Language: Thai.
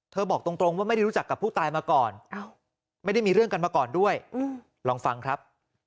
บอกตรงว่าไม่ได้รู้จักกับผู้ตายมาก่อนไม่ได้มีเรื่องกันมาก่อนด้วยลองฟังครับ